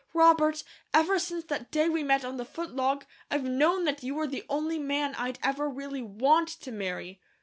Robert, ever since that day we met on the footlog, I've know that you were the only man I'd every really WANT to marry.